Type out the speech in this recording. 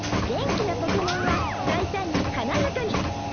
元気なポケモンは大胆に華やかに。